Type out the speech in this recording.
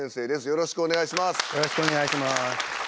よろしくお願いします。